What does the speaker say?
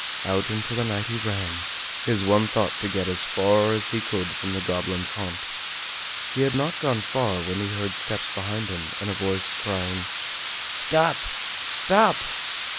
Out into the night he ran, his one thought to get as far as he could from the goblin's haunt. He had not gone far when he heard steps behind him and a voice crying: "Stop! stop!"